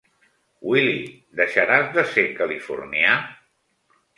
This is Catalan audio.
Willy—, deixaràs de ser californià?